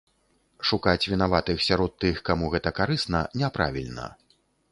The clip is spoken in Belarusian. Шукаць вінаватых сярод тых, каму гэта карысна, няправільна.